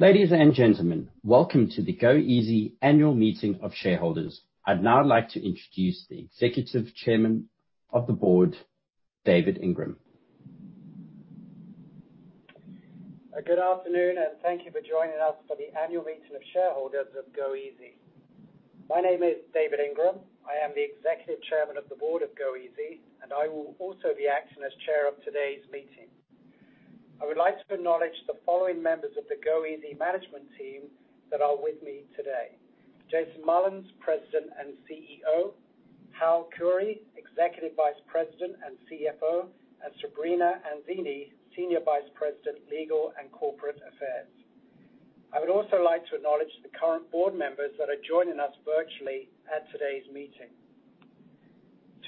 Ladies and gentlemen, welcome to the goeasy Annual Meeting of Shareholders. I'd now like to introduce the Executive Chairman of the Board, David Ingram. Good afternoon, thank you for joining us for the annual meeting of shareholders of goeasy. My name is David Ingram. I am the Executive Chairman of the Board of goeasy, and I will also be acting as Chair of today's meeting. I would like to acknowledge the following members of the goeasy management team that are with me today. Jason Mullins, President and CEO, Hal Khouri, Executive Vice President and CFO, and Sabrina Anzini, Senior Vice President, Legal and Corporate Affairs. I would also like to acknowledge the current Board members that are joining us virtually at today's meeting.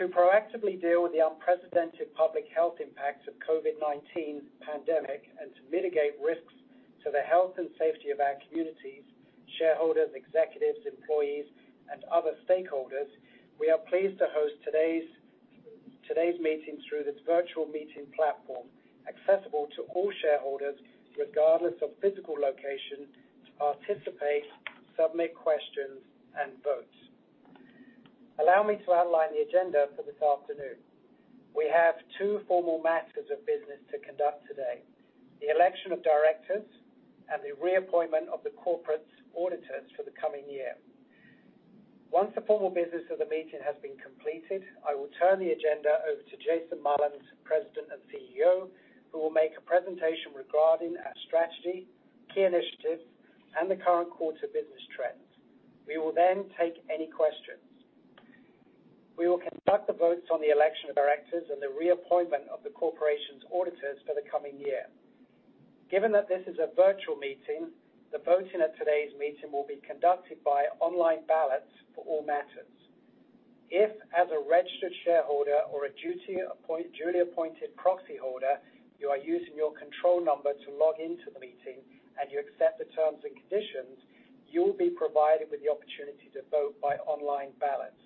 To proactively deal with the unprecedented public health impacts of COVID-19 pandemic and to mitigate risks to the health and safety of our communities, shareholders, executives, employees, and other stakeholders, we are pleased to host today's meeting through this virtual meeting platform, accessible to all shareholders, regardless of physical location, to participate, submit questions, and vote. Allow me to outline the agenda for this afternoon. We have two formal matters of business to conduct today, the Election of Directors and the reappointment of the corporate auditors for the coming year. Once the formal business of the meeting has been completed, I will turn the agenda over to Jason Mullins, President and CEO, who will make a presentation regarding our strategy, key initiatives, and the current quarter business trends. We will then take any questions. We will conduct the votes on the Election of Directors and the reappointment of the corporation's auditors for the coming year. Given that this is a virtual meeting, the voting at today's meeting will be conducted by online ballots for all matters. If, as a registered shareholder or a duly appointed proxyholder, you are using your control number to log into the meeting and you accept the terms and conditions, you will be provided with the opportunity to vote by online ballots.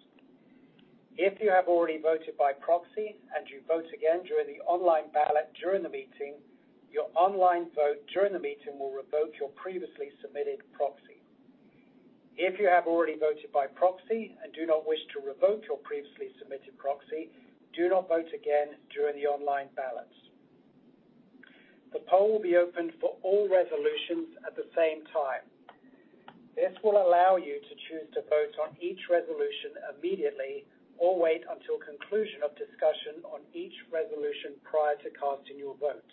If you have already voted by proxy and you vote again during the online ballot during the meeting, your online vote during the meeting will revoke your previously submitted proxy. If you have already voted by proxy and do not wish to revoke your previously submitted proxy, do not vote again during the online ballots. The poll will be open for all resolutions at the same time. This will allow you to choose to vote on each resolution immediately or wait until conclusion of discussion on each resolution prior to casting your vote.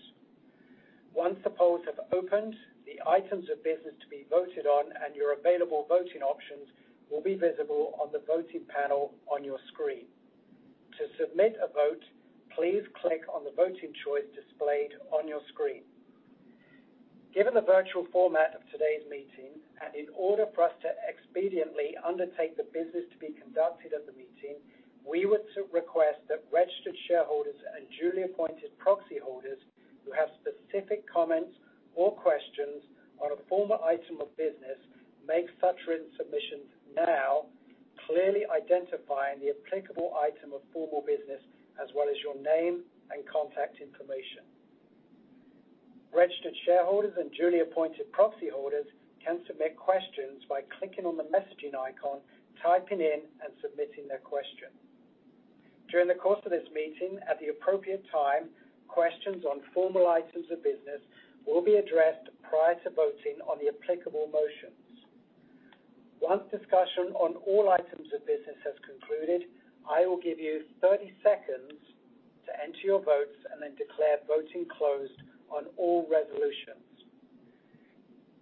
Once the polls have opened, the items of business to be voted on and your available voting options will be visible on the voting panel on your screen. To submit a vote, please click on the voting choice displayed on your screen. Given the virtual format of today's meeting, and in order for us to expediently undertake the business to be conducted at the meeting, we would request that registered shareholders and duly appointed proxyholders who have specific comments or questions on a formal item of business, make such written submissions now, clearly identifying the applicable item of formal business as well as your name and contact information. Registered shareholders and duly appointed proxyholders can submit questions by clicking on the messaging icon, typing in, and submitting their question. During the course of this meeting, at the appropriate time, questions on formal items of business will be addressed prior to voting on the applicable motions. Once discussion on all items of business has concluded, I will give you 30 seconds to enter your votes and then declare voting closed on all resolutions.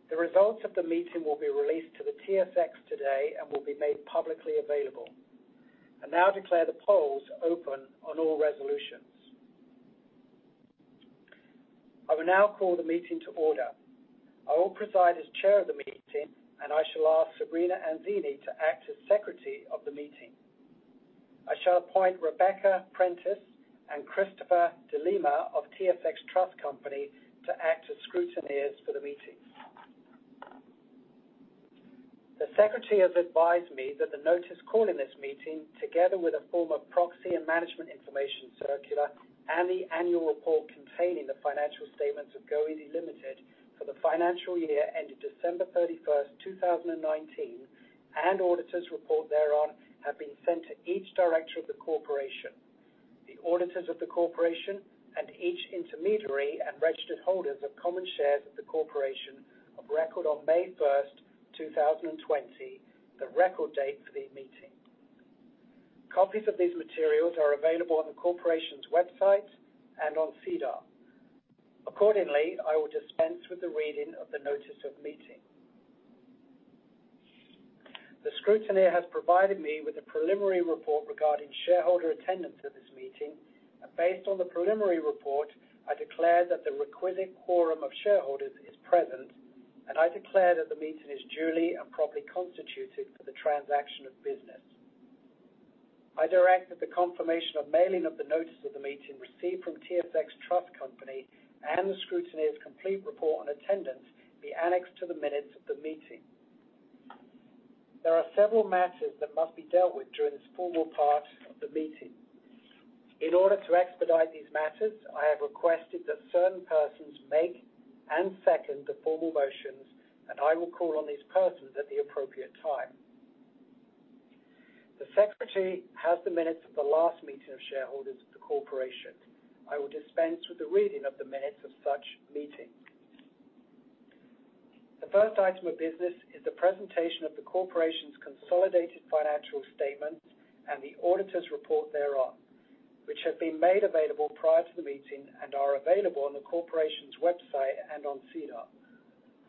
The results of the meeting will be released to the TSX today and will be made publicly available. I now declare the polls open on all resolutions. I will now call the meeting to order. I will preside as Chair of the meeting, and I shall ask Sabrina Anzini to act as Secretary of the meeting. I shall appoint Rebecca Prentice and Christopher De Lima of TSX Trust Company to act as scrutineers for the meeting. The Secretary has advised me that the notice calling this meeting, together with a form of proxy and management information circular and the annual report containing the financial statements of goeasy Ltd. for the financial year ended December 31st, 2019, and auditors' report thereon, have been sent to each Director of the corporation, the auditors of the corporation, and each intermediary and registered holders of common shares of the corporation of record on May 1st, 2020, the record date for the meeting. Copies of these materials are available on the corporation's website and on SEDAR. Accordingly, I will dispense with the reading of the notice of meeting. The scrutineer has provided me with a preliminary report regarding shareholder attendance at this meeting. Based on the preliminary report, I declare that the requisite quorum of shareholders is present, and I declare that the meeting is duly and properly constituted for the transaction of business. I direct that the confirmation of mailing of the notice of the meeting received from TSX Trust Company and the scrutineer's complete report on attendance be annexed to the minutes of the meeting. There are several matters that must be dealt with during this formal part of the meeting. In order to expedite these matters, I have requested that certain persons make and second the formal motions, and I will call on these persons at the appropriate time. The Secretary has the minutes of the last meeting of shareholders of the corporation. I will dispense with the reading of the minutes of such meeting. The first item of business is the presentation of the corporation's consolidated financial statements and the auditor's report thereon, which have been made available prior to the meeting and are available on the corporation's website and on SEDAR.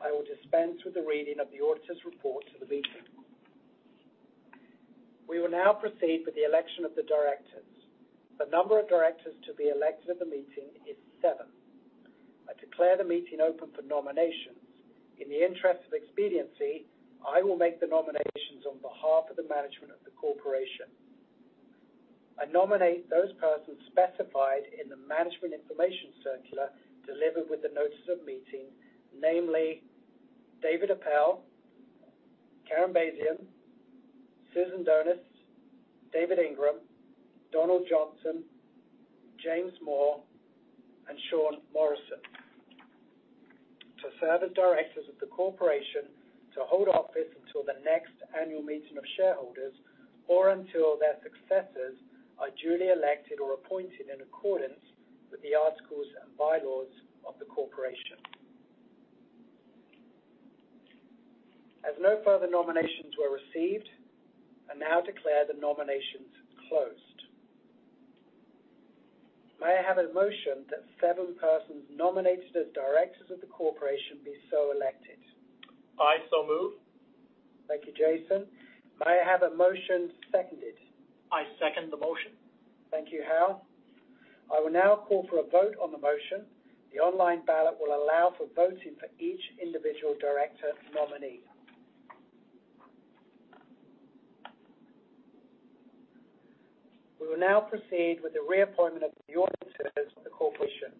I will dispense with the reading of the auditor's report for the meeting. We will now proceed with the Election of the Directors. The number of Directors to be elected at the meeting is seven. I declare the meeting open for nominations. In the interest of expediency, I will make the nominations on behalf of the management of the corporation. I nominate those persons specified in the management information circular delivered with the notice of meeting, namely David Appel, Karen Basian, Susan Doniz, David Ingram, Donald Johnson, James Moore, and Sean Morrison to serve as Directors of the corporation, to hold office until the next annual meeting of shareholders, or until their successors are duly elected or appointed in accordance with the articles and bylaws of the corporation. As no further nominations were received, I now declare the nominations closed. May I have a motion that seven persons nominated as Directors of the corporation be so elected? I so move. Thank you, Jason. May I have a motion seconded? I second the motion. Thank you, Hal. I will now call for a vote on the motion. The online ballot will allow for voting for each individual Director nominee. We will now proceed with the reappointment of the auditors of the corporation.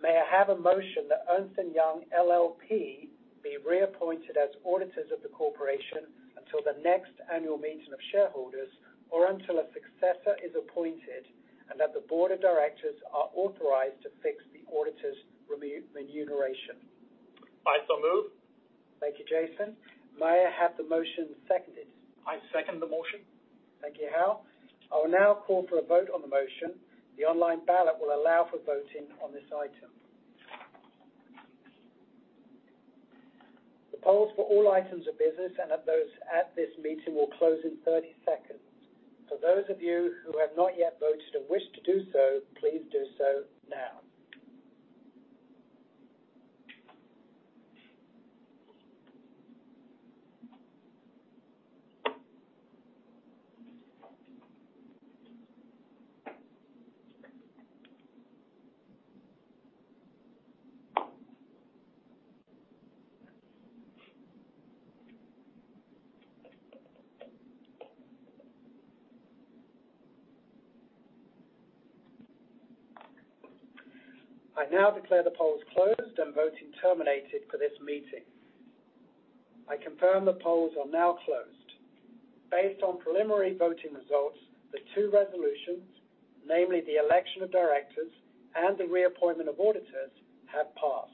May I have a motion that Ernst & Young LLP be reappointed as auditors of the corporation until the next annual meeting of shareholders, or until a successor is appointed, and that the Board of Directors are authorized to fix the auditor's remuneration. I so move. Thank you, Jason. May I have the motion seconded? I second the motion. Thank you, Hal. I will now call for a vote on the motion. The online ballot will allow for voting on this item. The polls for all items of business and of those at this meeting will close in 30 seconds. For those of you who have not yet voted and wish to do so, please do so now. I now declare the polls closed and voting terminated for this meeting. I confirm the polls are now closed. Based on preliminary voting results, the two resolutions, namely the Election of Directors and the reappointment of auditors, have passed.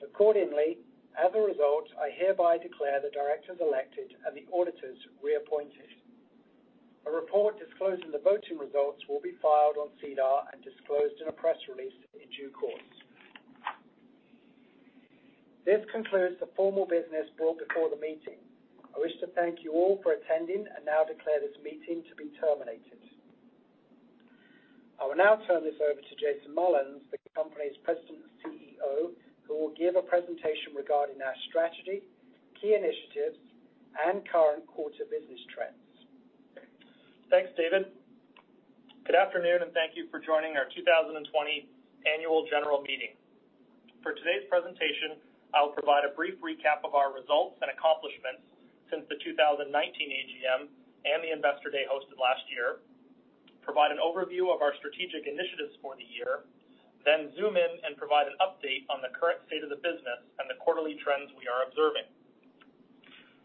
Accordingly, as a result, I hereby declare the Directors elected and the auditors reappointed. A report disclosing the voting results will be filed on SEDAR and disclosed in a press release in due course. This concludes the formal business brought before the meeting. I wish to thank you all for attending and now declare this meeting to be terminated. I will now turn this over to Jason Mullins, the company's President and CEO, who will give a presentation regarding our strategy, key initiatives, and current quarter business trends. Thanks, David. Good afternoon, thank you for joining our 2020 Annual General Meeting. For today's presentation, I will provide a brief recap of our results and accomplishments since the 2019 AGM and the investor day hosted last year, provide an overview of our strategic initiatives for the year, then zoom in and provide an update on the current state of the business and the quarterly trends we are observing.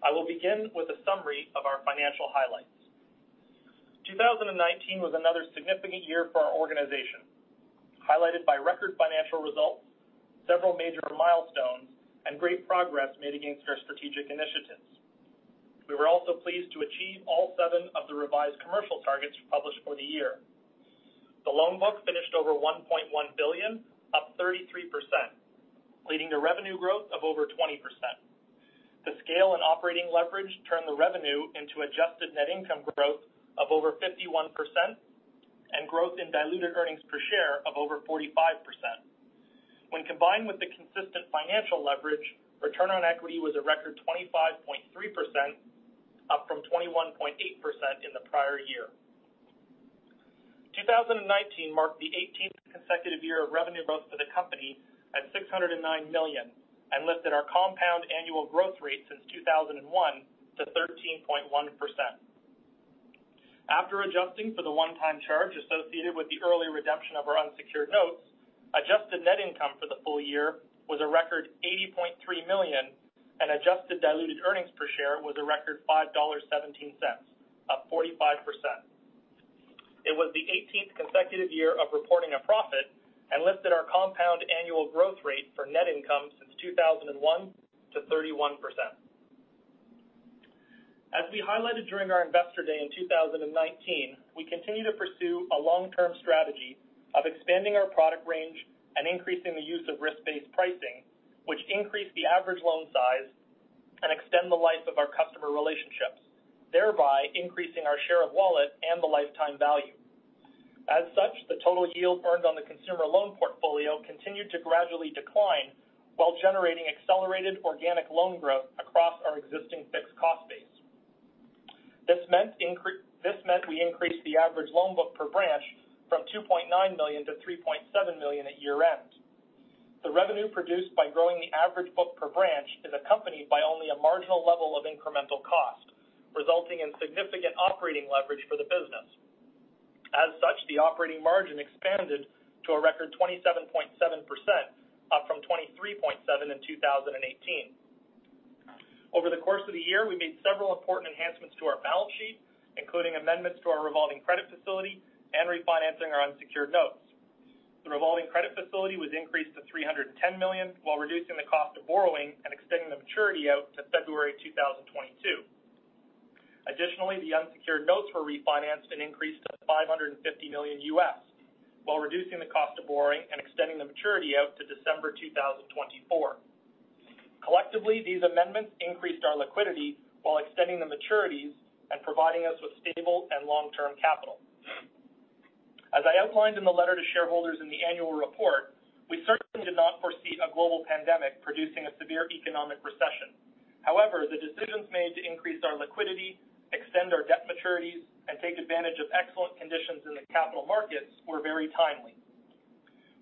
I will begin with a summary of our financial highlights. 2019 was another significant year for our organization, highlighted by record financial results, several major milestones, and great progress made against our strategic initiatives. We were also pleased to achieve all seven of the revised commercial targets we published for the year. The loan book finished over 1.1 billion, up 33%, leading to revenue growth of over 20%. The scale and operating leverage turned the revenue into adjusted net income growth of over 51% and growth in diluted earnings per share of over 45%. When combined with the consistent financial leverage, return on equity was a record 25.3%, up from 21.8% in the prior year. 2019 marked the 18th consecutive year of revenue growth for the company at 609 million and lifted our compound annual growth rate since 2001 to 13.1%. After adjusting for the one-time charge associated with the early redemption of our unsecured notes, adjusted net income for the full year was a record 80.3 million, and adjusted diluted earnings per share was a record 5.17 dollars, up 45%. It was the 18th consecutive year of reporting a profit and lifted our compound annual growth rate for net income since 2001 to 31%. As we highlighted during our Investor Day in 2019, we continue to pursue a long-term strategy of expanding our product range and increasing the use of risk-based pricing, which increase the average loan size and extend the life of our customer relationships, thereby increasing our share of wallet and the lifetime value. The total yield earned on the consumer loan portfolio continued to gradually decline while generating accelerated organic loan growth across our existing fixed cost base. This meant we increased the average loan book per branch from 2.9 million-3.7 million at year-end. The revenue produced by growing the average book per branch is accompanied by only a marginal level of incremental cost, resulting in significant operating leverage for the business. The operating margin expanded to a record 27.7%, up from 23.7% in 2018. Over the course of the year, we made several important enhancements to our balance sheet, including amendments to our revolving credit facility and refinancing our unsecured notes. The revolving credit facility was increased to 310 million, while reducing the cost of borrowing and extending the maturity out to February 2022. The unsecured notes were refinanced and increased to $550 million, while reducing the cost of borrowing and extending the maturity out to December 2024. Collectively, these amendments increased our liquidity while extending the maturities and providing us with stable and long-term capital. As I outlined in the letter to shareholders in the annual report, we certainly did not foresee a global pandemic producing a severe economic recession. The decisions made to increase our liquidity, extend our debt maturities, and take advantage of excellent conditions in the capital markets were very timely.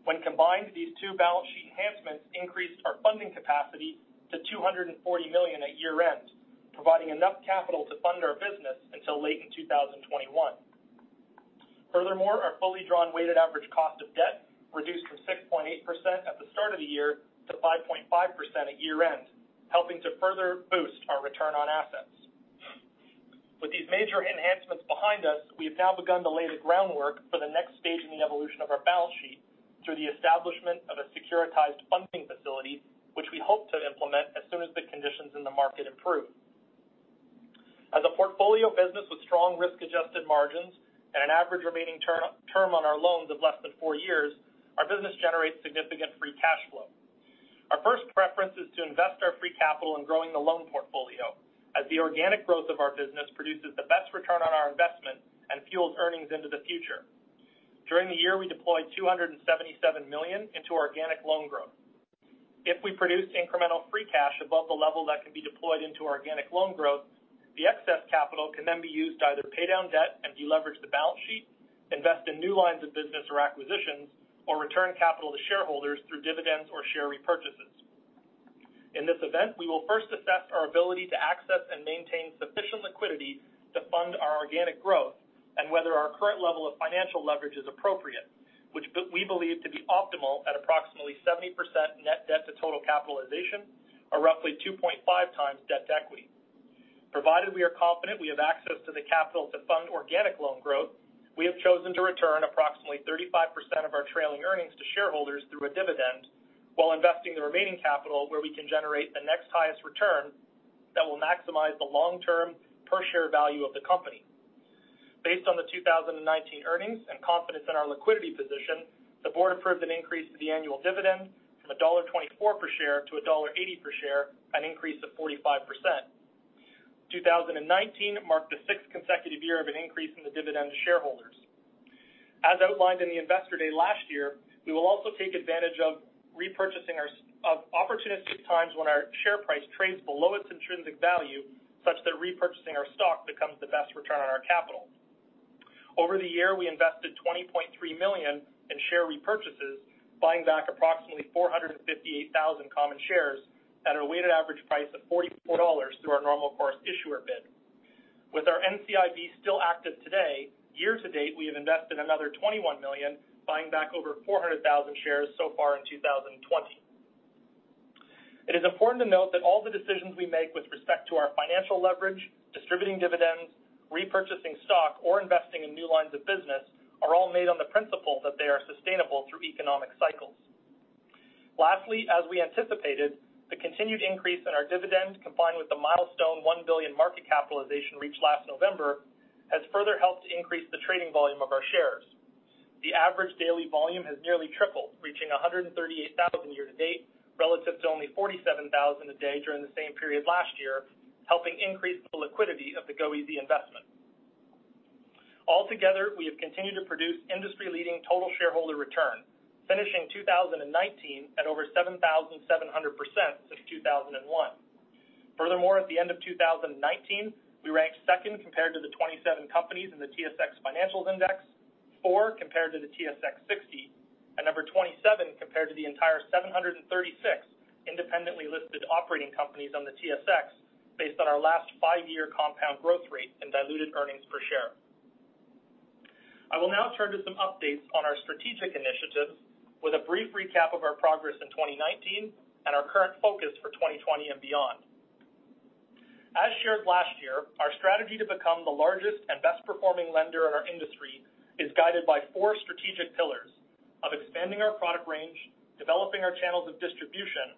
When combined, these two balance sheet enhancements increased our funding capacity to 240 million at year-end, providing enough capital to fund our business until late in 2021. Furthermore, our fully drawn weighted average cost of debt reduced from 6.8% at the start of the year to 5.5% at year-end, helping to further boost our return on assets. With these major enhancements behind us, we have now begun to lay the groundwork for the next stage in the evolution of our balance sheet through the establishment of a securitized funding facility, which we hope to implement as soon as the conditions in the market improve. As a portfolio business with strong risk-adjusted margins and an average remaining term on our loans of less than four years, our business generates significant free cash flow. Our first preference is to invest our free capital in growing the loan portfolio, as the organic growth of our business produces the best return on our investment and fuels earnings into the future. During the year, we deployed 277 million into our organic loan growth. If we produce incremental free cash above the level that can be deployed into our organic loan growth, the excess capital can then be used to either pay down debt and deleverage the balance sheet, invest in new lines of business or acquisitions, or return capital to shareholders through dividends or share repurchases. In this event, we will first assess our ability to access and maintain sufficient liquidity to fund our organic growth and whether our current level of financial leverage is appropriate, which we believe to be optimal at approximately 70% net debt to total capitalization, or roughly 2.5 times debt to equity. Provided we are confident we have access to the capital to fund organic loan growth, we have chosen to return approximately 35% of our trailing earnings to shareholders through a dividend while investing the remaining capital where we can generate the next highest return that will maximize the long-term per-share value of the company. Based on the 2019 earnings and confidence in our liquidity position, the Board approved an increase to the annual dividend from dollar 1.24 per share to dollar 1.80 per share, an increase of 45%. 2019 marked the sixth consecutive year of an increase in the dividend to shareholders. As outlined in the Investor Day last year, we will also take advantage of opportunistic times when our share price trades below its intrinsic value, such that repurchasing our stock becomes the best return on our capital. Over the year, we invested 20.3 million in share repurchases, buying back approximately 458,000 common shares at a weighted average price of 44 dollars through our normal course issuer bid. With our NCIB still active today, year-to-date, we have invested another 21 million, buying back over 400,000 shares so far in 2020. It is important to note that all the decisions we make with respect to our financial leverage, distributing dividends, repurchasing stock, or investing in new lines of business are all made on the principle that they are sustainable through economic cycles. Lastly, as we anticipated, the continued increase in our dividend, combined with the milestone 1 billion market capitalization reached last November, has further helped to increase the trading volume of our shares. The average daily volume has nearly tripled, reaching 138,000 year-to-date, relative to only 47,000 a day during the same period last year, helping increase the liquidity of the goeasy investment. Altogether, we have continued to produce industry-leading total shareholder return, finishing 2019 at over 7,700% since 2001. Furthermore, at the end of 2019, we ranked second compared to the 27 companies in the TSX Financials Index, 4 compared to the TSX 60, 27 compared to the entire 736 independently listed operating companies on the TSX based on our last five year compound growth rate and diluted earnings per share. I will now turn to some updates on our strategic initiatives with a brief recap of our progress in 2019 and our current focus for 2020 and beyond. As shared last year, our strategy to become the largest and best-performing lender in our industry is guided by four strategic pillars of expanding our product range, developing our channels of distribution,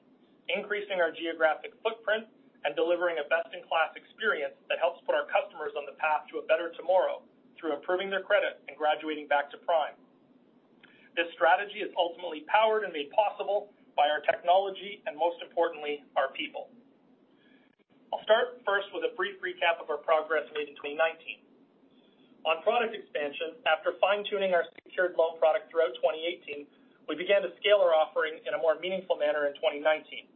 increasing our geographic footprint, and delivering a best-in-class experience that helps put our customers on the path to a better tomorrow through improving their credit and graduating back to prime. This strategy is ultimately powered and made possible by our technology and, most importantly, our people. I'll start first with a brief recap of our progress made in 2019. On product expansion, after fine-tuning our secured loan product throughout 2018, we began to scale our offering in a more meaningful manner in 2019.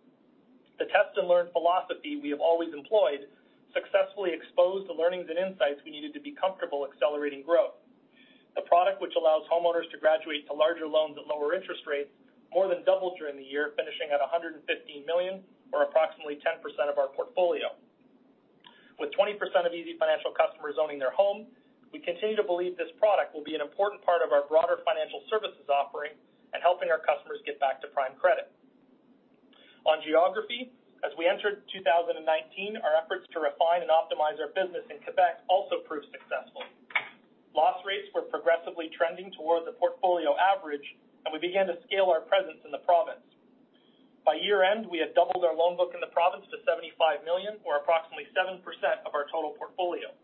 The test-and-learn philosophy we have always employed successfully exposed the learnings and insights we needed to be comfortable accelerating growth. The product, which allows homeowners to graduate to larger loans at lower interest rates, more than doubled during the year, finishing at 115 million, or approximately 10% of our portfolio. With 20% of easyfinancial customers owning their home, we continue to believe this product will be an important part of our broader financial services offering and helping our customers get back to prime credit. On geography, as we entered 2019, our efforts to refine and optimize our business in Quebec also proved successful. Loss rates were progressively trending towards the portfolio average, and we began to scale our presence in the province. By year-end, we had doubled our loan book in the province to 75 million, or approximately 7% of our total portfolio.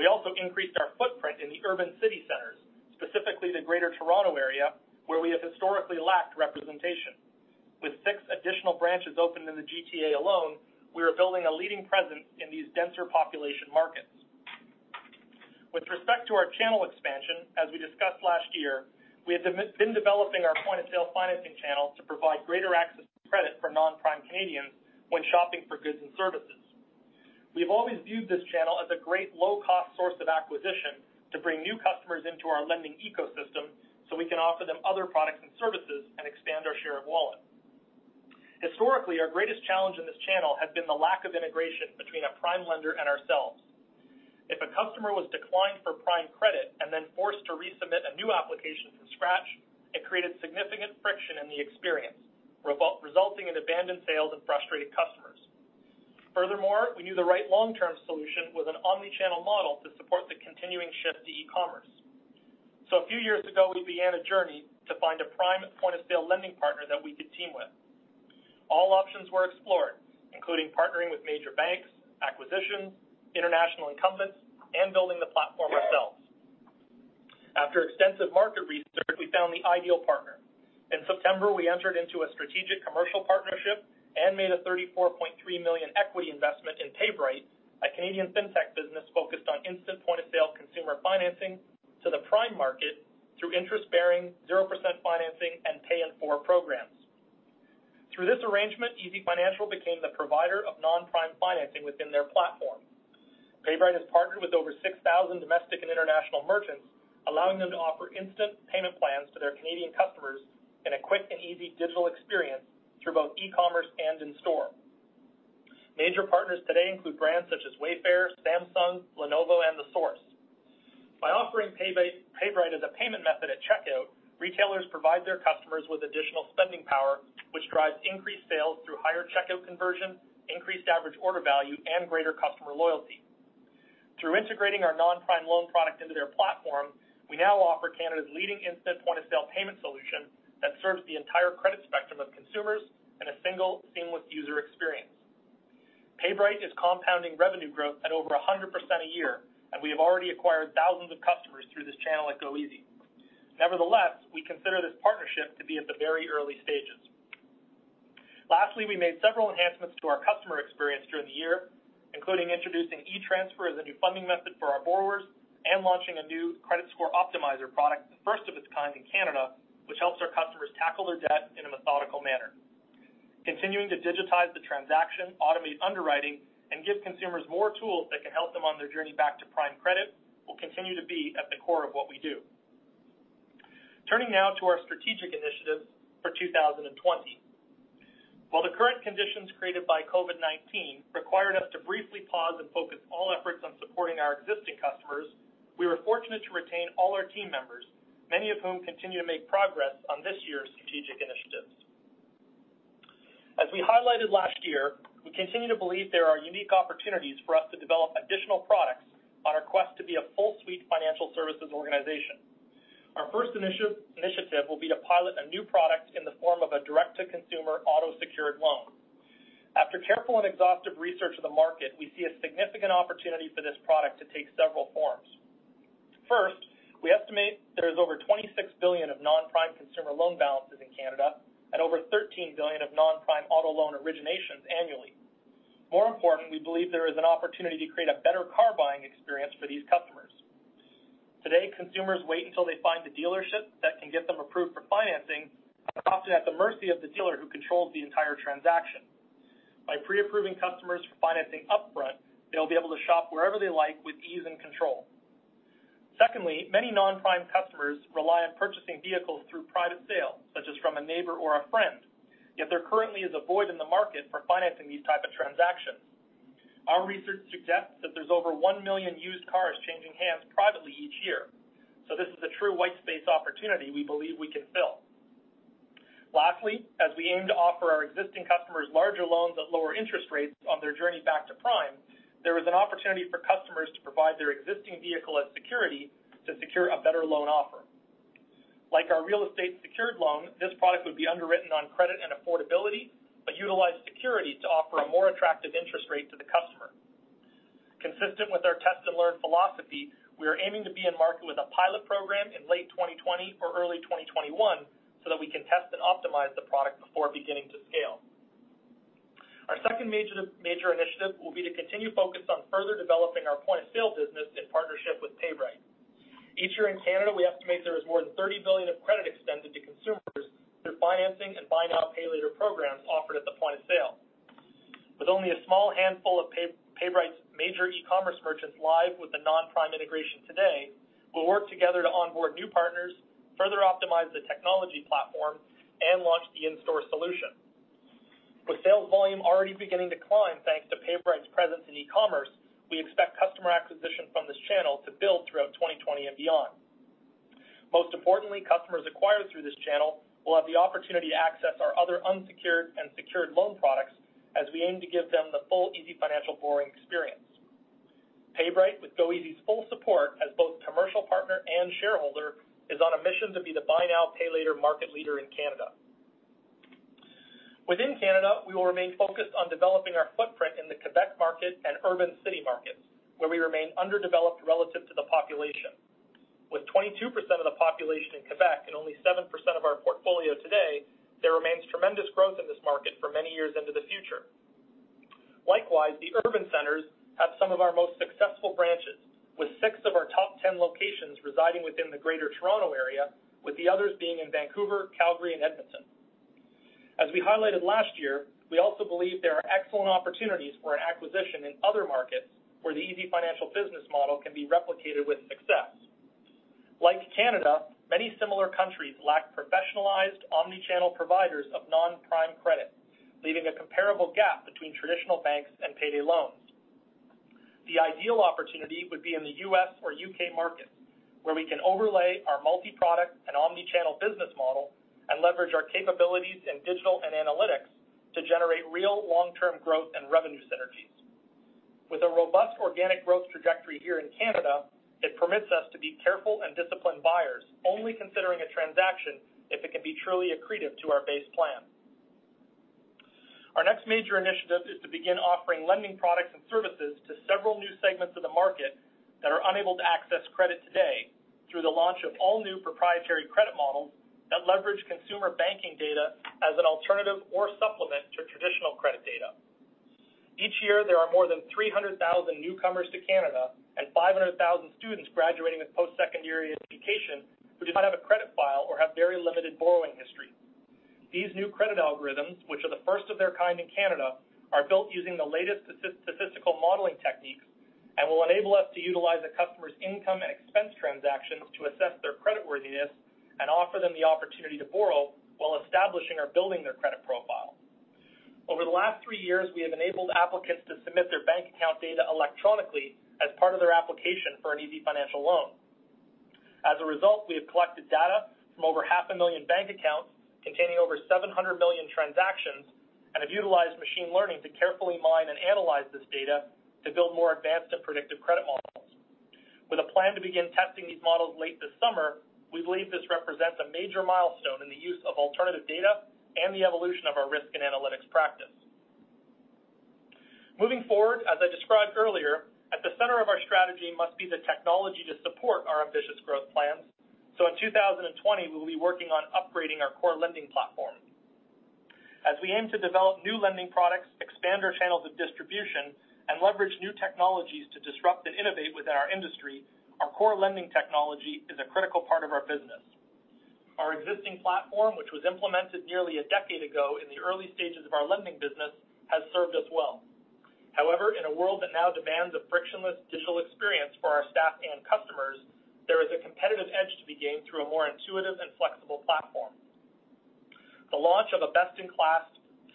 We also increased our footprint in the urban city centers, specifically the Greater Toronto Area, where we have historically lacked representation. With six additional branches opened in the GTA alone, we are building a leading presence in these denser population markets. With respect to our channel expansion, as we discussed last year, we have been developing our point-of-sale financing channel to provide greater access to credit for non-prime Canadians when shopping for goods and services. We have always viewed this channel as a great low-cost source of acquisition to bring new customers into our lending ecosystem so we can offer them other products and services and expand our share of wallet. Historically, our greatest challenge in this channel has been the lack of integration between a prime lender and ourselves. If a customer was declined for prime credit and then forced to resubmit a new application from scratch, it created significant friction in the experience, resulting in abandoned sales and frustrated customers. Furthermore, we knew the right long-term solution was an omni-channel model to support the continuing shift to e-commerce. A few years ago, we began a journey to find a prime point-of-sale lending partner that we could team with. All options were explored, including partnering with major banks, acquisitions, international incumbents, and building the platform ourselves. After extensive market research, we found the ideal partner. In September, we entered into a strategic commercial partnership and made a 34.3 million equity investment in PayBright, a Canadian fintech business focused on instant point-of-sale consumer financing to the prime market through interest-bearing 0% financing and pay-in-four programs. Through this arrangement, easyfinancial became the provider of non-prime financing within their platform. PayBright has partnered with over 6,000 domestic and international merchants, allowing them to offer instant payment plans to their Canadian customers in a quick and easy digital experience through both e-commerce and in-store. Major partners today include brands such as Wayfair, Samsung, Lenovo, and The Source. By offering PayBright as a payment method at checkout, retailers provide their customers with additional spending power, which drives increased sales through higher checkout conversion, increased average order value, and greater customer loyalty. Through integrating our non-prime loan product into their platform, we now offer Canada's leading instant point-of-sale payment solution that serves the entire credit spectrum of consumers in a single seamless user experience. PayBright is compounding revenue growth at over 100% a year, and we have already acquired thousands of customers through this channel at goeasy. Nevertheless, we consider this partnership to be at the very early stages. Lastly, we made several enhancements to our customer experience during the year, including introducing e-transfer as a new funding method for our borrowers and launching a new Credit Optimizer product, the first of its kind in Canada, which helps our customers tackle their debt in a methodical manner. Continuing to digitize the transaction, automate underwriting, and give consumers more tools that can help them on their journey back to prime credit will continue to be at the core of what we do. Turning now to our strategic initiatives for 2020. While the current conditions created by COVID-19 required us to briefly pause and focus all efforts on supporting our existing customers, we were fortunate to retain all our team members, many of whom continue to make progress on this year's strategic initiatives. As we highlighted last year, we continue to believe there are unique opportunities for us to develop additional products on our quest to be a full suite financial services organization. Our first initiative will be to pilot a new product in the form of a direct-to-consumer auto-secured loan. After careful and exhaustive research of the market, we see a significant opportunity for this product to take several forms. First, we estimate there is over 26 billion of non-prime consumer loan balances in Canada and over 13 billion of non-prime auto loan originations annually. More important, we believe there is an opportunity to create a better car-buying experience for these customers. Today, consumers wait until they find a dealership that can get them approved for financing, are often at the mercy of the dealer who controls the entire transaction. By pre-approving customers for financing upfront, they'll be able to shop wherever they like with ease and control. Secondly, many non-prime customers rely on purchasing vehicles through private sale, such as from a neighbor or a friend, yet there currently is a void in the market for financing these type of transactions. Our research suggests that there's over 1 million used cars changing hands privately each year. This is a true white space opportunity we believe we can fill. Lastly, as we aim to offer our existing customers larger loans at lower interest rates on their journey back to prime, there is an opportunity for customers to provide their existing vehicle as security to secure a better loan offer. Like our real estate secured loan, this product would be underwritten on credit and affordability, but utilize security to offer a more attractive interest rate to the customer. Consistent with our test and learn philosophy, we are aiming to be in market with a pilot program in late 2020 or early 2021 so that we can test and optimize the product before beginning to scale. Our second major initiative will be to continue focus on further developing our point-of-sale business in partnership with PayBright. Each year in Canada, we estimate there is more than 30 billion of credit extended to consumers through financing and buy now, pay later programs offered at the point of sale. With only a small handful of PayBright's major e-commerce merchants live with the non-prime integration today, we'll work together to onboard new partners, further optimize the technology platform, and launch the in-store solution. With sales volume already beginning to climb thanks to PayBright's presence in e-commerce, we expect customer acquisition from this channel to build throughout 2020 and beyond. Most importantly, customers acquired through this channel will have the opportunity to access our other unsecured and secured loan products as we aim to give them the full easyfinancial borrowing experience. PayBright, with goeasy's full support as both commercial partner and shareholder, is on a mission to be the buy now, pay later market leader in Canada. Within Canada, we will remain focused on developing our footprint in the Quebec market and urban city markets, where we remain underdeveloped relative to the population. With 22% of the population in Quebec and only 7% of our portfolio today, there remains tremendous growth in this market for many years into the future. Likewise, the urban centers have some of our most successful branches, with six of our top 10 locations residing within the Greater Toronto Area, with the others being in Vancouver, Calgary, and Edmonton. As we highlighted last year, we also believe there are excellent opportunities for an acquisition in other markets where the easyfinancial business model can be replicated with success. Like Canada, many similar countries lack professionalized omni-channel providers of non-prime credit, leaving a comparable gap between traditional banks and payday loans. The ideal opportunity would be in the U.S. or U.K. market, where we can overlay our multi-product and omni-channel business model and leverage our capabilities in digital and analytics to generate real long-term growth and revenue synergies. With a robust organic growth trajectory here in Canada, it permits us to be careful and disciplined buyers, only considering a transaction if it can be truly accretive to our base plan. Our next major initiative is to begin offering lending products and services to several new segments of the market that are unable to access credit today through the launch of all new proprietary credit models that leverage consumer banking data as an alternative or supplement to traditional credit data. Each year, there are more than 300,000 newcomers to Canada and 500,000 students graduating with post-secondary education who do not have a credit file or have very limited borrowing history. These new credit algorithms, which are the first of their kind in Canada, are built using the latest statistical modeling techniques and will enable us to utilize a customer's income and expense transactions to assess their creditworthiness and offer them the opportunity to borrow while establishing or building their credit profile. Over the last three years, we have enabled applicants to submit their bank account data electronically as part of their application for an easyfinancial loan. As a result, we have collected data from over 0.5 million bank accounts containing over 700 million transactions and have utilized machine learning to carefully mine and analyze this data to build more advanced and predictive credit models. With a plan to begin testing these models late this summer, we believe this represents a major milestone in the use of alternative data and the evolution of our risk and analytics practice. Moving forward, as I described earlier, at the center of our strategy must be the technology to support our ambitious growth plans. In 2020, we will be working on upgrading our core lending platform. As we aim to develop new lending products, expand our channels of distribution, and leverage new technologies to disrupt and innovate within our industry, our core lending technology is a critical part of our business. Our existing platform, which was implemented nearly a decade ago in the early stages of our lending business, has served us well. However, in a world that now demands a frictionless digital experience for our staff and customers, there is a competitive edge to be gained through a more intuitive and flexible platform. The launch of a best-in-class,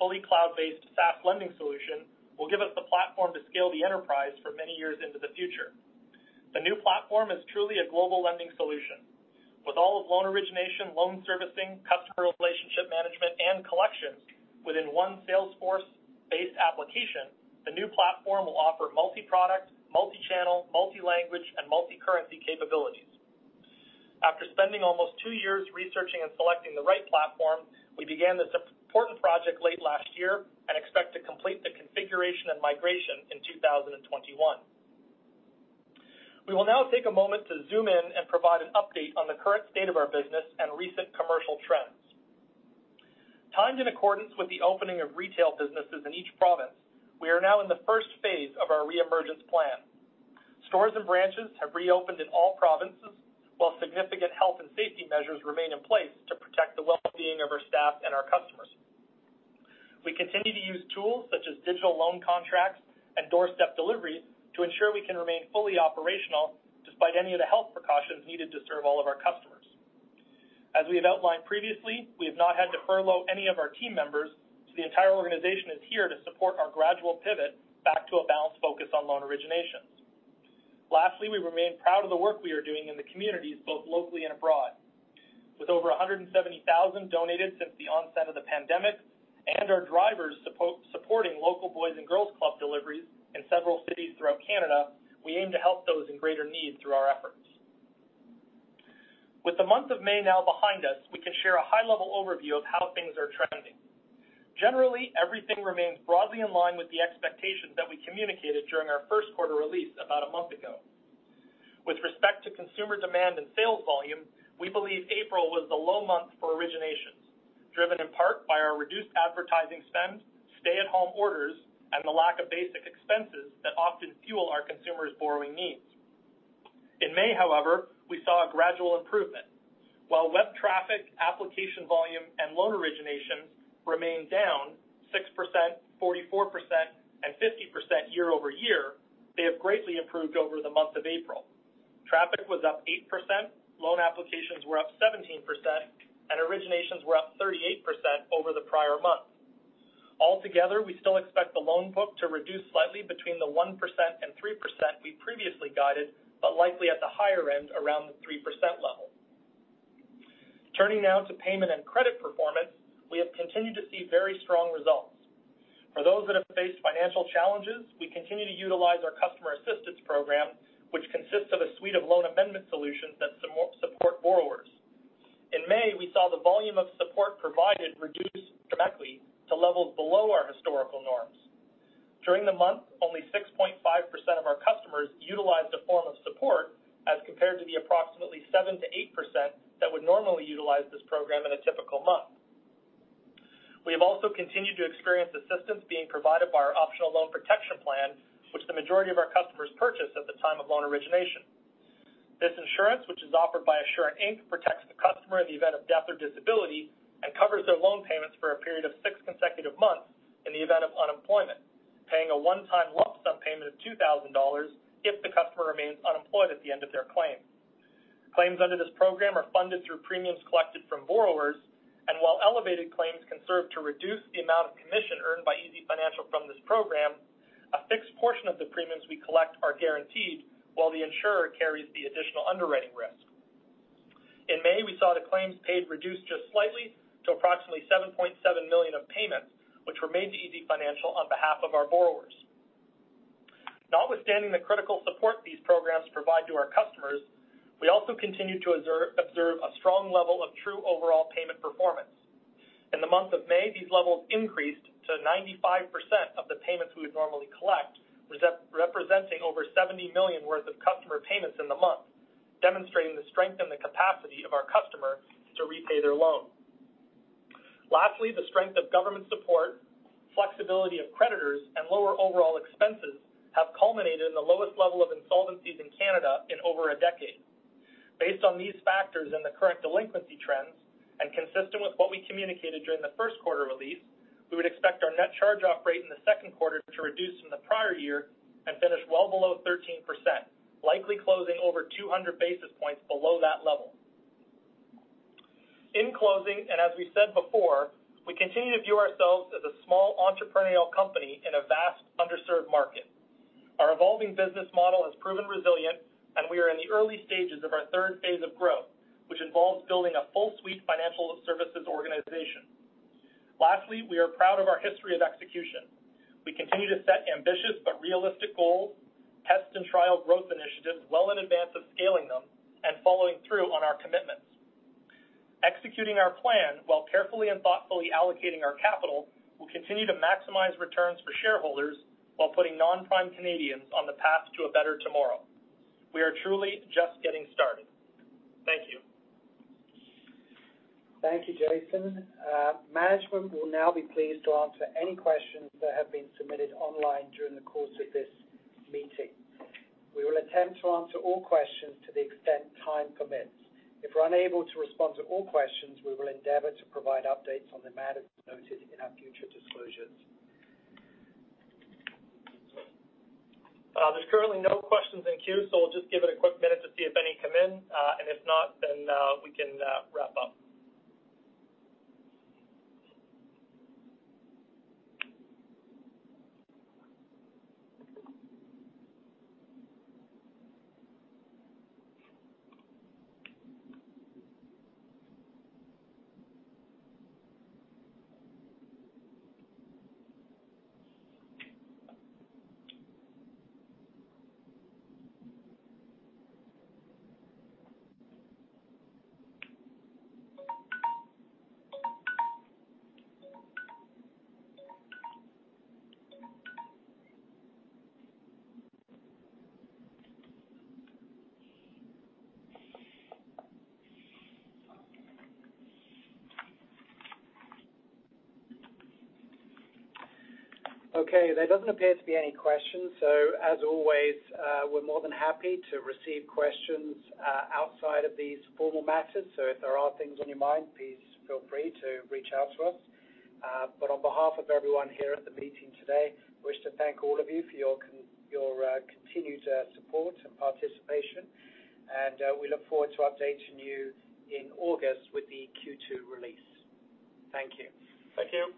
fully cloud-based SaaS lending solution will give us the platform to scale the enterprise for many years into the future. The new platform is truly a global lending solution. With all of loan origination, loan servicing, customer relationship management, and collections within one Salesforce-based application, the new platform will offer multi-product, multi-channel, multi-language, and multi-currency capabilities. After spending almost two years researching and selecting the right platform, we began this important project late last year and expect to complete the configuration and migration in 2021. We will now take a moment to zoom in and provide an update on the current state of our business and recent commercial trends. Timed in accordance with the opening of retail businesses in each province, we are now in the first phase of our re-emergence plan. Stores and branches have reopened in all provinces while significant health and safety measures remain in place to protect the well-being of our staff and our customers. We continue to use tools such as digital loan contracts and doorstep delivery to ensure we can remain fully operational despite any of the health precautions needed to serve all of our customers. As we have outlined previously, we have not had to furlough any of our team members, so the entire organization is here to support our gradual pivot back to a balanced focus on loan originations. Lastly, we remain proud of the work we are doing in the communities, both locally and abroad. With over 170,000 donated since the onset of the pandemic, and our drivers supporting local Boys & Girls Club deliveries in several cities throughout Canada, we aim to help those in greater need through our efforts. With the month of May now behind us, we can share a high-level overview of how things are trending. Generally, everything remains broadly in line with the expectations that we communicated during our first quarter release about a month ago. With respect to consumer demand and sales volume, we believe April was the low month for originations, driven in part by our reduced advertising spend, stay-at-home orders, and the lack of basic expenses that often fuel our consumers' borrowing needs. In May, however, we saw a gradual improvement. While web traffic, application volume, and loan originations remained down 6%, 44%, and 50% year-over-year, they have greatly improved over the month of April. Traffic was up 8%, loan applications were up 17%, and originations were up 38% over the prior month. Altogether, we still expect the loan book to reduce slightly between the 1% and 3% we previously guided, but likely at the higher end, around the 3% level. Turning now to payment and credit performance, we have continued to see very strong results. For those that have faced financial challenges, we continue to utilize our customer assistance program, which consists of a suite of loan amendment flexibility of creditors, and lower overall expenses have culminated in the lowest level of insolvencies in Canada in over a decade. Based on these factors and the current delinquency trends, and consistent with what we communicated during the first quarter release, we would expect our net charge-off rate in the second quarter to reduce from the prior year and finish well below 13%, likely closing over 200 basis points below that level. In closing, and as we said before, we continue to view ourselves as a small entrepreneurial company in a vast underserved market. Our evolving business model has proven resilient, and we are in the early stages of our phase III of growth, which involves building a full suite financial services organization. Lastly, we are proud of our history of execution. We continue to set ambitious but realistic goals, test and trial growth initiatives well in advance of scaling them, and following through on our commitments. Executing our plan while carefully and thoughtfully allocating our capital will continue to maximize returns for shareholders while putting non-prime Canadians on the path to a better tomorrow. We are truly just getting started. Thank you. Thank you, Jason. Management will now be pleased to answer any questions that have been submitted online during the course of this meeting. We will attempt to answer all questions to the extent time permits. If we're unable to respond to all questions, we will endeavor to provide updates on the matters noted in our future disclosures. There are currently no questions in queue, so we'll just give it a quick minute to see if any come in. If not, we can wrap up. Okay. There doesn't appear to be any questions. As always, we're more than happy to receive questions outside of these formal matters. If there are things on your mind, please feel free to reach out to us. On behalf of everyone here at the meeting today, we wish to thank all of you for your continued support and participation. We look forward to updating you in August with the Q2 release. Thank you. Thank you.